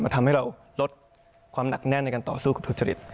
ทำให้เราลดความหนักแน่นในการต่อสู้กับทุจริต